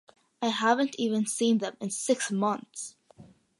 I haven't even seen them in six months.